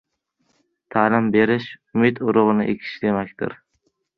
Ta’lim berish – umid urug‘ini ekish demakdir.